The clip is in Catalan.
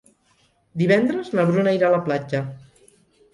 Divendres na Bruna irà a la platja.